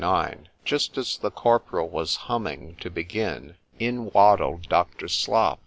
XXXIX JUST as the corporal was humming, to begin—in waddled Dr. _Slop.